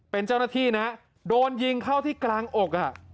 เป็นเจ้าหน้าที่นะโดนยิงเข้าที่กลางอกอ่ะ